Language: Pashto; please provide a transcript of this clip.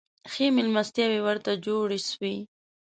ښې مېلمستیاوي ورته جوړي سوې.